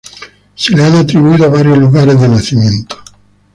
Se le han atribuido varios lugares de nacimiento.